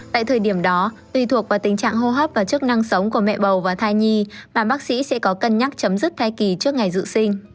tại thời điểm đó tùy thuộc vào tình trạng hô hấp và chức năng sống của mẹ bầu và thai nhi bản bác sĩ sẽ có cân nhắc chấm dứt thai kỳ trước ngày dự sinh